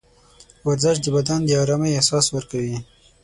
ورزش د بدن د ارامۍ احساس ورکوي.